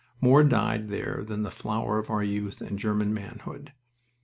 More died there than the flower of our youth and German manhood.